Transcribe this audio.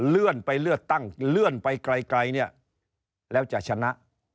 เลื่อนไปเลือกตั้งเลื่อนไปไกลเนี่ยแล้วจะชนะ